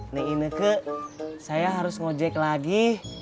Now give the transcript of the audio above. nek ineke saya harus ngejek lagi